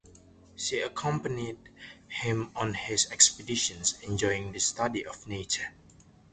She accompanied him on his expeditions, enjoying the study of nature.